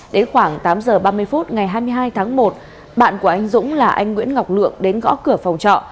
đến khoảng tám giờ ba mươi phút ngày hai mươi hai tháng một bạn của anh dũng là anh nguyễn ngọc lượng đến gõ cửa phòng trọ